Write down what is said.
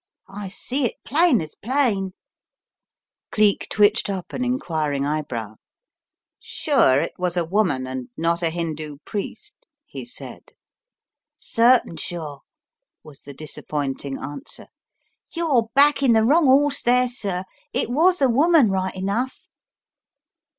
I see it plain as plain." Dollops Takes a Hand 207 Cleek twitched up an enquiring eyebrow. "Sure it was a woman and not a Hindoo priest?" he said. "Certain sure/' was the disappointing answer. "You're backing the wrong 'orse there, sir. It was a woman right enough."